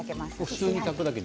普通に炊くだけ？